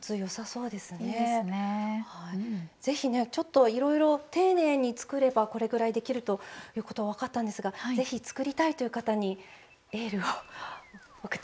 是非ねいろいろ丁寧に作ればこれぐらいできるということが分かったんですが是非作りたいという方にエールを送って頂けますでしょうか。